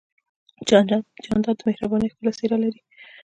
جانداد د مهربانۍ ښکلی څېرہ لري.